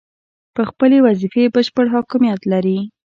پر خپلې وظیفې بشپړ حاکمیت لري.